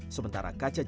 sementara kaca jendela